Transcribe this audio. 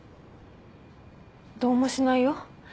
どうもしないよ。